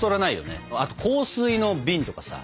あと香水の瓶とかさ。